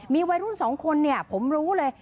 มีวัยรุ่นสองคนผมรู้เลย